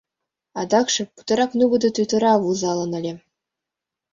Адакше путырак нугыдо тӱтыра вузалын ыле.